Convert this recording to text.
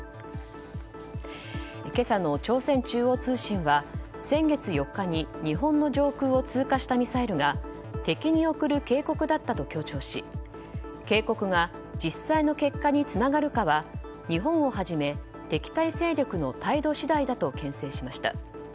今朝の朝鮮中央通信は先月４日に日本の上空を通過したミサイルが敵に送る警告だったと強調し警告が実際の結果につながるかは日本をはじめ敵対勢力の態度次第だと牽制しました。